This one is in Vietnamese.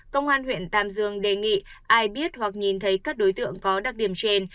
công an huyện tam dương đề nghị ai biết hoặc nhìn thấy các đối tượng có đặc điểm trên